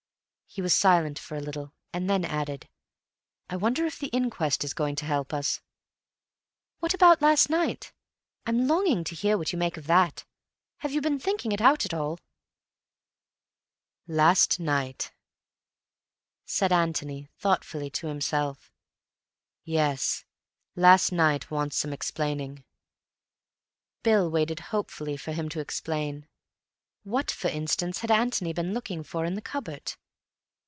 He was silent for a little, and then added, "I wonder if the inquest is going to help us. "What about last night? I'm longing to hear what you make of that. Have you been thinking it out at all?" "Last night," said Antony thoughtfully to himself. "Yes, last night wants some explaining." Bill waited hopefully for him to explain. What, for instance, had Antony been looking for in the cupboard?